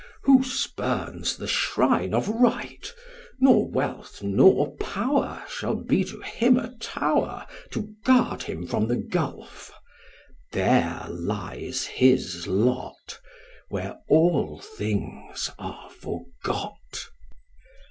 Who spurns the shrine of Right, nor wealth nor power Shall be to him a tower, To guard him from the gulf: there lies his lot, Where all things are forgot.